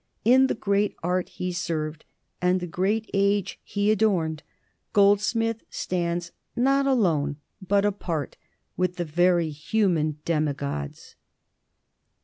In the great art he served and the great age he adorned Goldsmith stands, not alone, but apart, with the very human demigods.